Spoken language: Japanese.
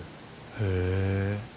へえ。